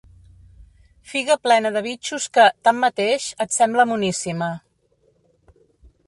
Figa plena de bitxos que, tanmateix, et sembla moníssima.